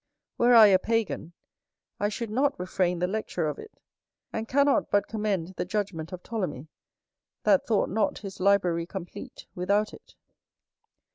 Were I a pagan, I should not refrain the lecture of it; and cannot but commend the judgment of Ptolemy, that thought not his library complete without it.